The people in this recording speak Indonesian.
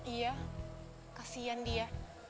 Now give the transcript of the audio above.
iya kesian dia